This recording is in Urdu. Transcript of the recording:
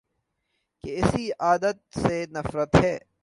کی اسی عادت سے نفرت ہے